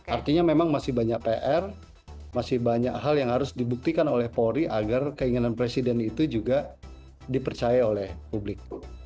artinya memang masih banyak pr masih banyak hal yang harus dibuktikan oleh polri agar keinginan presiden itu juga dipercaya oleh publik